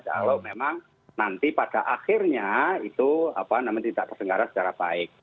kalau memang nanti pada akhirnya itu tidak tersenggara secara baik